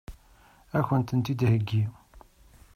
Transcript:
Ad kent-tent-id-theggi?